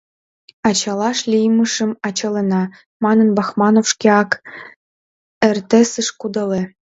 Ачалаш лиймыжым ачалена, — манын Бахманов шкеак РТС-ыш кудале.